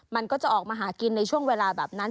มันก็จะออกมาหากินในช่วงเวลาแบบนั้น